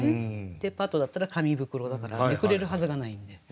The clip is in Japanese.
デパートだったら紙袋だからめくれるはずがないんで。